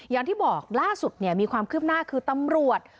อย่างที่บอกล่าสุดมีความคืบหน้าคือตำรวจ